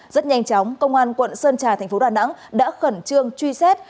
rất nhanh chóng công an quận sơn trà thành phố đà nẵng đã khẩn trương truy xét